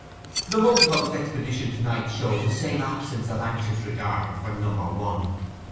The motive of his expedition to night showed the same absence of anxious regard for Number One.